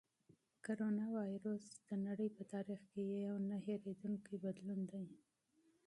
کرونا وېروس د نړۍ په تاریخ کې یو نه هېرېدونکی بدلون دی.